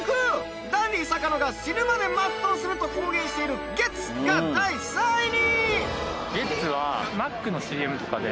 ダンディ坂野が「死ぬまで全うする」と公言している「ゲッツ」が第３位に。